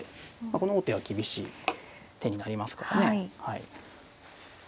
この王手は厳しい手になりますからね。